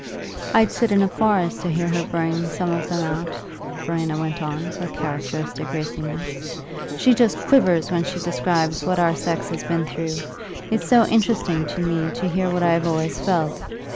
I'd sit in a forest to hear her bring some of them out," Verena went on, with characteristic raciness. "She just quivers when she describes what our sex has been through. It's so interesting to me to hear what I have always felt.